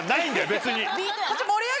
別に。